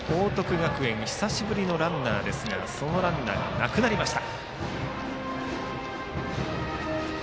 学園久しぶりのランナーでしたがそのランナーがなくなりました。